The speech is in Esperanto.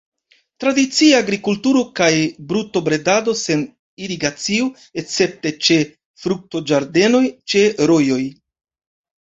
Tradicie agrikulturo kaj brutobredado sen irigacio, escepte ĉe fruktoĝardenoj ĉe rojoj.